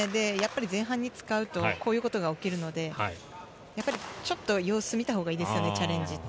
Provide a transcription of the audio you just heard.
前半に使うとこういうことが起きるので、ちょっと様子を見たほうがいいですよね、チャレンジって。